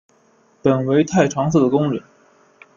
本为太常寺的工人。